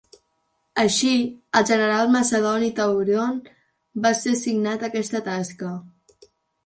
Així, el general macedoni Taurion va ser assignat a aquesta tasca.